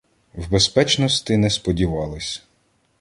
В безпечности не сподівались